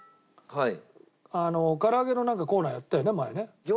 はい。